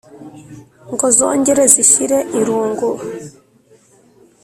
ngo zongere zishire irungu